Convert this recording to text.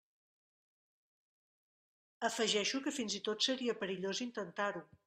Afegeixo que fins i tot seria perillós intentar-ho.